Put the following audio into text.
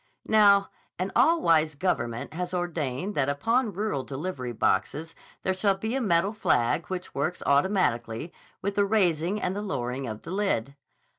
Now, an all wise government has ordained that upon rural delivery boxes there shall be a metal flag which works automatically with the raising and the lowering of the lid.